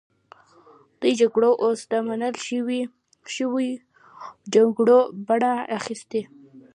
دې جګړو اوس د منل شویو جګړو بڼه اخیستې.